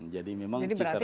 jadi memang cita rasanya